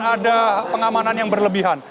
ada pengamanan yang berlebihan